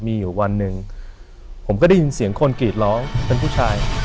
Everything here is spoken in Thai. มีอยู่วันหนึ่งผมก็ได้ยินเสียงคนกรีดร้องเป็นผู้ชาย